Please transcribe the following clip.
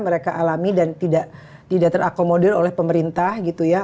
mereka alami dan tidak terakomodir oleh pemerintah gitu ya